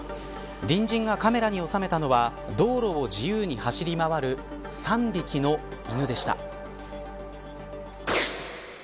隣人がカメラに収めたのは道路を自由に走り回る３匹の犬でした。